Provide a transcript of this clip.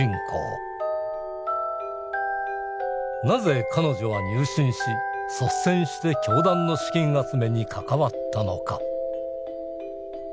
なぜ彼女は入信し率先して教団の資金集めに関わったのか。